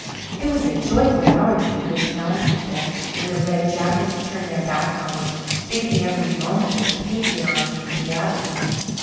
It was a joyful hour to the good town people when the red jackets turned their backs on them, thinking every moment that the patriot army would be after them.